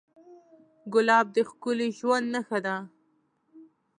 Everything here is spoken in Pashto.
ګلاب د ښکلي ژوند نښه ده.